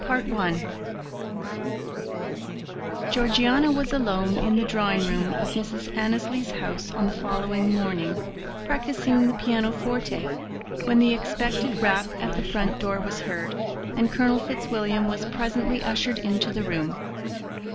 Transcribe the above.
Chapter XI Georgiana was alone in the drawing room of Mrs. Annesley's house on the following morning, practising the pianoforte, when the expected rap at the front door was heard, and Colonel Fitzwilliam was presently ushered into the room.